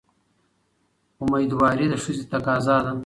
مېندواري د ښځې تقاضا ده.